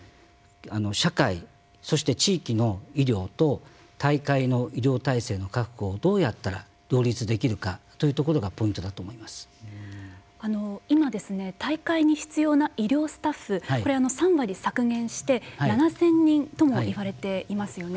社会、そして地域の医療と大会の医療体制の確保をどうやったら両立できるかというところが今、大会に必要な医療スタッフ３割削減して７０００人とも言われていますよね。